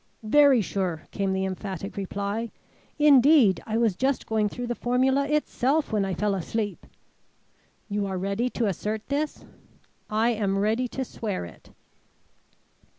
"Very sure," came the emphatic reply. "Indeed, I was just going through the formula itself when I fell asleep." "You are ready to assert this?" "I am ready to swear it."